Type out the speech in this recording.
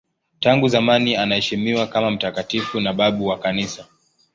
Tangu zamani anaheshimiwa kama mtakatifu na babu wa Kanisa.